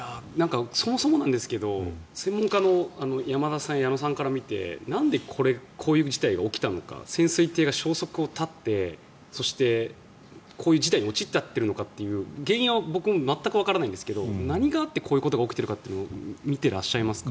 そもそもなんですが専門家の山田さん、矢野さんから見てなんでこういう事態が起きたのか潜水艇が消息を絶ってそして、こういう事態に陥っちゃってるのかという原因は僕も全くわからないんですが何があってこういうことが起きているかと見ていらっしゃいますか。